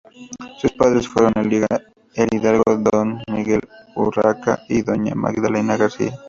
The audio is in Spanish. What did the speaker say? Sus padres fueron el hidalgo don Miguel Urraca y doña Magdalena García.